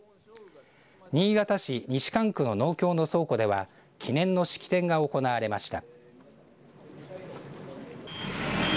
新潟市西蒲区の農協の倉庫では記念の式典が行われました。